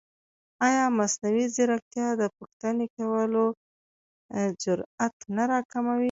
ایا مصنوعي ځیرکتیا د پوښتنې کولو جرئت نه راکموي؟